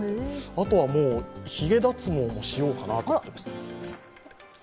あとはもうヒゲ脱毛もしようかなと思ってます。